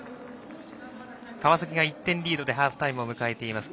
川崎が１点リードでハーフタイムを迎えています。